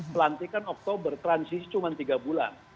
pelantikan oktober transisi cuma tiga bulan